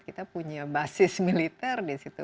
kita punya basis militer di situ